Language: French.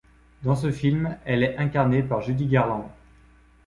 Dans ce film, elle est incarnée par Judy Garland.